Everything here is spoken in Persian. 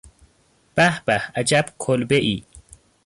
به به عجب کلبهای!